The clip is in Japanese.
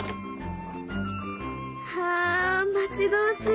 ああ待ち遠しい！